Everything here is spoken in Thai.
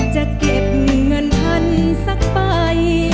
จะเก็บเงินพันสักไป